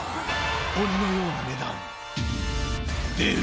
鬼のような値段出るのか！？